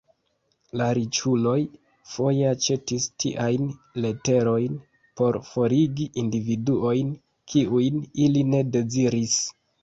La riĉuloj foje aĉetis tiajn leterojn por forigi individuojn kiujn ili ne deziris.